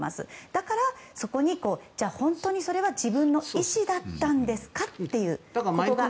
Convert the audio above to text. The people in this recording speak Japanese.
だからそこに本当にそれは自分の意思だったんですかということが。